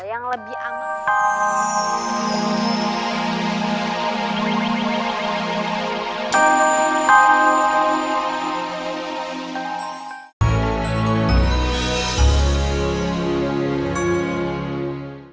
yang lebih aman